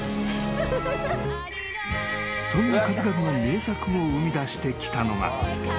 ［そんな数々の名作を生みだしてきたのが］